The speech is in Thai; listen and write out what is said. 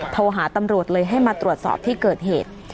โทรหาตำรวจเลยให้มาตรวจสอบที่เกิดเหตุ